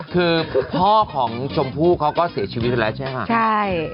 คือพ่อของชมพู่เขาก็เสียชีวิตกันแล้วใช่ไหมครับใช่